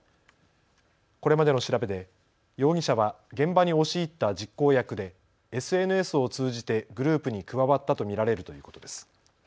これまでの調べで容疑者は現場に押し入った実行役でＳＮＳを通じてグループに加わったと見られるということです。